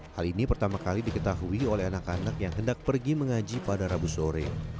hal ini pertama kali diketahui oleh anak anak yang hendak pergi mengaji pada rabu sore